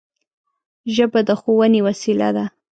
ژبه د ښوونې وسیله ده